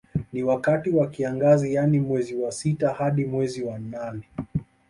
Ni wakati wa kiangazi yani mwezi wa sita hadi mwezi wa nane